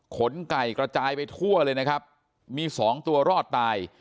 ไก่กระจายไปทั่วเลยนะครับมีสองตัวรอดตาย